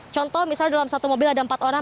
contoh misalnya dalam satu mobil ada empat orang